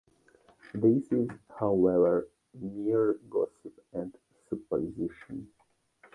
This is, however, mere gossip and supposition.